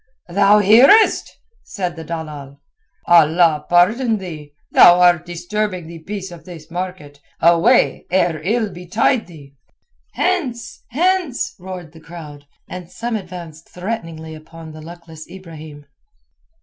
"Thou hearest?" said the dalal. "Allah pardon thee, thou art disturbing the peace of this market. Away, ere ill betide thee." "Hence! hence!" roared the crowd, and some advanced threateningly upon the luckless Ibrahim.